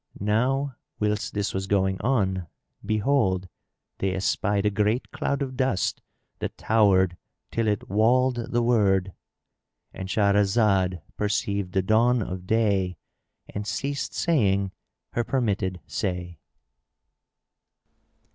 Now whilst this was going on, behold, they espied a great cloud of dust that towered till it walled the word.——And Shahrazad perceived the dawn of day and ceased saying her permitted say.